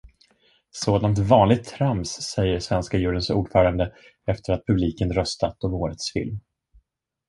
Sådant vanligt trams säger svenska juryns ordförande efter att publiken röstat om årets film.